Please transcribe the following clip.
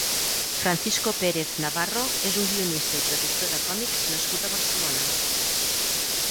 Francisco Pérez Navarro és un guionista i traductor de còmics nascut a Barcelona.